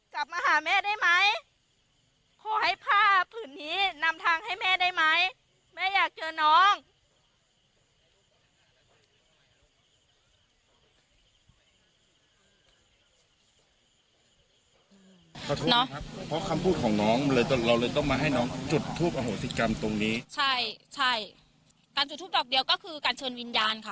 การจุดทูบหนึ่งดอกเดียวก็คือการเชิญวิญญาณค่ะ